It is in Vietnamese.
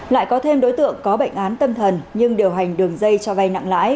lại có thêm đối tượng có bệnh án tâm thần nhưng điều hành đường dây cho vay nặng lãi